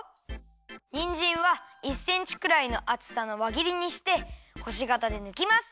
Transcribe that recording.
にんじんは１センチくらいのあつさのわぎりにしてほしがたでぬきます！